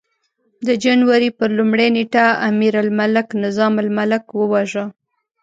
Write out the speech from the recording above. د جنوري پر لومړۍ نېټه امیرالملک نظام الملک وواژه.